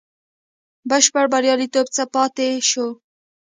بشپړ بریالیتوب څخه پاته شو.